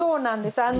そうなんです。